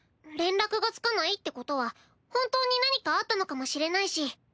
連絡がつかないってことは本当に何かあったのかもしれないし。